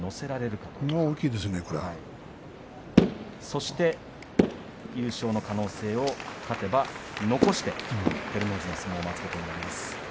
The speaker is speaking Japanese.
そして優勝の可能性を勝てば残して照ノ富士の相撲を待つことになります。